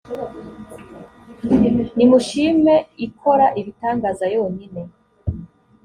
nimushime ikora ibitangaza yonyine